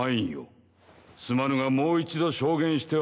すまぬがもう一度証言してはもらえぬか？